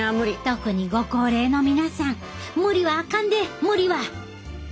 特にご高齢の皆さん無理はあかんで無理は！